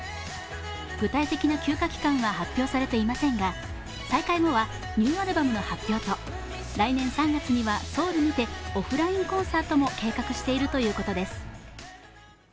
具体的な休暇期間は発表されていませんが、再開後はニューアルバムの発表と来年３月にはソウルにてオフラインコンサートも計画しているということです。